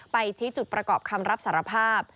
ไปชี้จุดประกอบคำรับสารภาพ